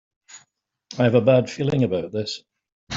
I have a bad feeling about this!